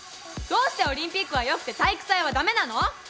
どうしてオリンピックはよくて体育祭は駄目なの！？